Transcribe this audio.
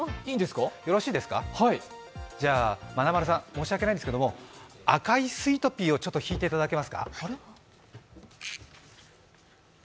よろしいですか、じゃ、まなまるさん、申し訳ないんですけれども、「赤いスイトピー」を弾いていただけますか？